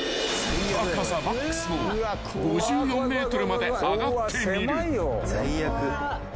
［高さマックスの５４ｍまで上がってみる］